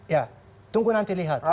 ya tunggu nanti lihat